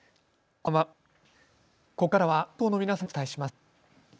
ここからは関東の皆さんにお伝します。